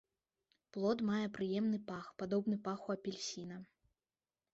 Плод мае прыемны пах, падобны паху апельсіна.